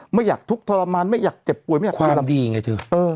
ไม่อยากทุกข์ทรมานไม่อยากเจ็บป่วยไม่อยากความดีไงเธอ